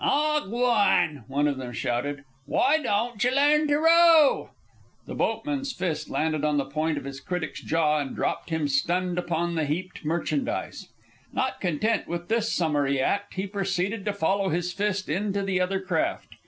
"Aw, g'wan!" one of them shouted. "Why don't yeh learn to row?" The boatman's fist landed on the point of his critic's jaw and dropped him stunned upon the heaped merchandise. Not content with this summary act he proceeded to follow his fist into the other craft.